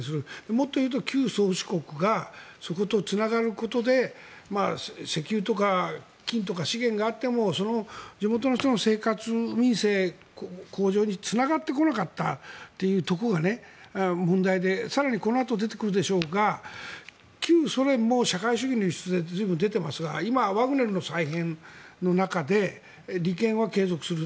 もっと言うと旧宗主国がそことつながることで石油とか金とか資源があってもその地元の人の生活、民生向上につながってこなかったというところが問題で更にこのあと出てくるでしょうが旧ソ連も社会主義の輸出で随分出ていますが今、ワグネルの再編の中で利権は継続する。